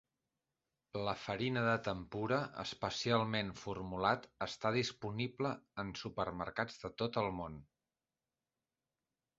La farina de tempura especialment formulat està disponible en supermercats de tot el món.